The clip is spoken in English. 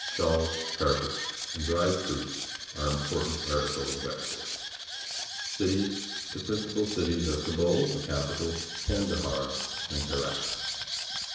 Shawls, carpets, and dried fruits are important articles of export. Cities. — The principal cities are Kabul, the capital, Kandahar, and Herat.